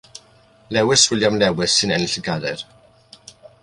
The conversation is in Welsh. Lewis William Lewis sy'n ennill y gadair.